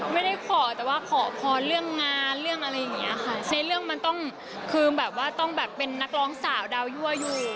ไม่ได้ขอแต่ว่าขอพรเรื่องงานเรื่องอะไรอย่างเงี้ยค่ะในเรื่องมันต้องคือแบบว่าต้องแบบเป็นนักร้องสาวดาวยั่วอยู่